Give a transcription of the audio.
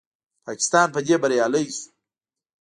پاکستان په دې بریالی شو